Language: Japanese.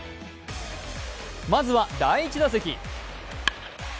まずは第１打席。